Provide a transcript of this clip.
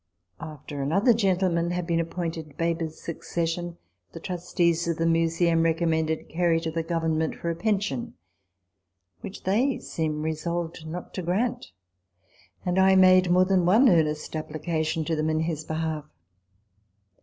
After another gentleman had been appointed Baber's successor, the trustees of the Museum recommended Gary to the Government for a pension which they seemed resolved not to grant ; and I made more than one earnest application to them in his behalf.